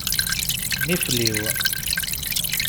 Nifliw.